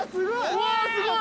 うわすごい！